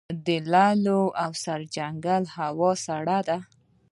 د لعل او سرجنګل هوا سړه ده